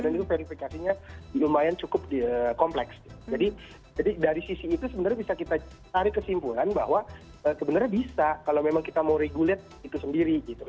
dan itu verifikasinya lumayan cukup kompleks jadi dari sisi itu sebenarnya bisa kita cari kesimpulan bahwa sebenarnya bisa kalau memang kita mau regulate itu sendiri gitu